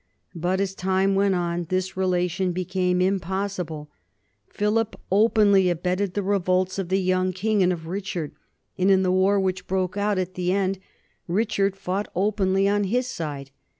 But as time went on this relation became impossible. Philip openly abetted the revolts of the Young King and of Richard, and in the war which broke out at the end Richard fought openly on his side.